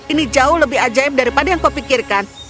ini jauh lebih ajaib daripada yang kau pikirkan